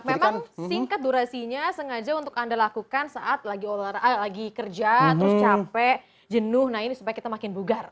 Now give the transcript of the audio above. memang singkat durasinya sengaja untuk anda lakukan saat lagi kerja terus capek jenuh nah ini supaya kita makin bugar